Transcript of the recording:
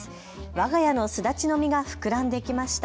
わが家のスダチの実が膨らんできました。